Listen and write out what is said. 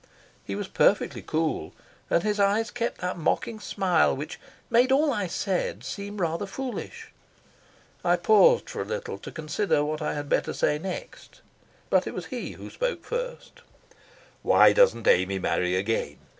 He was perfectly cool, and his eyes kept that mocking smile which made all I said seem rather foolish. I paused for a little while to consider what I had better say next. But it was he who spoke first. "Why doesn't Amy marry again?